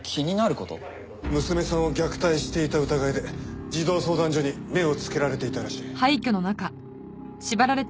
娘さんを虐待していた疑いで児童相談所に目をつけられていたらしい。